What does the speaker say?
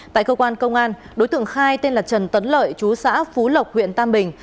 tại cơ quan công an đối tượng khai tên là trần tấn lợi chú xã phú lộc huyện tam bình